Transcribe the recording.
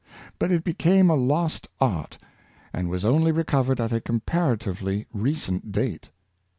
But it became a lost art, and was only recovered at a comparatively recent date.